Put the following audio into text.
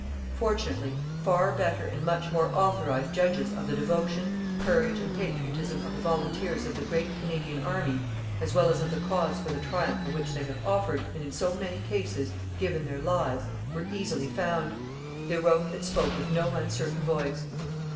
Fortunately, far better and much more authorized judges of the devotion, courage and patriotism of the volunteers of the great Canadian army, as well as of the cause for the triumph of which they have offered, and in so many cases, given their lives, were easily found. They wrote and spoke with no uncertain voice.